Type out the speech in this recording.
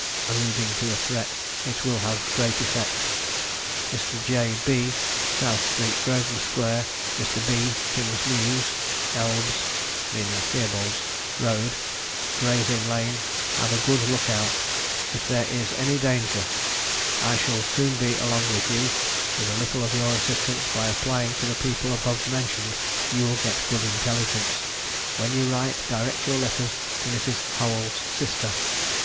(alluding to a threat), it will have great effect. Mr. J. B. South street Grosvenor Square, Mr. B. King's Mews, Elbs (meaning Theobald's) Road, Gray's Inn Lane, have a good look out, if there is any danger. I shall soon be along with you, with a little of your assistance; by applying to the people above mentioned you will get good intelligence. When you write, direct your letters to Mrs. Howell's sister.